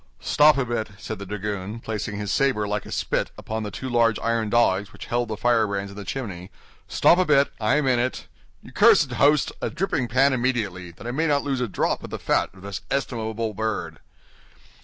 "Stop a bit," said the dragoon, placing his saber like a spit upon the two large iron dogs which held the firebrands in the chimney, "stop a bit, I am in it. You cursed host! a dripping pan immediately, that I may not lose a drop of the fat of this estimable bird."